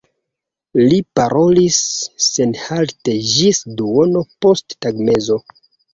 Li parolis senhalte ĝis duono post tagmezo.